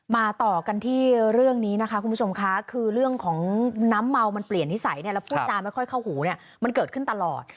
ต่อกันที่เรื่องนี้นะคะคุณผู้ชมค่ะคือเรื่องของน้ำเมามันเปลี่ยนนิสัยเนี่ยแล้วพูดจาไม่ค่อยเข้าหูเนี่ยมันเกิดขึ้นตลอด